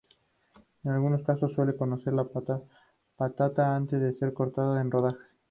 En algunos casos se suele cocer la patata antes de ser cortada en rodajas.